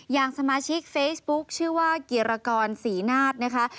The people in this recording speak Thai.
อย่างสมาชิกเฟซบุ๊คชื่อว่ากิรกรศรีนาศนะคะ